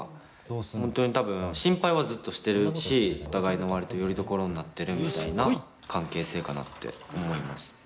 本当に多分心配はずっとしてるしお互いの割とよりどころになってるみたいな関係性かなって思います。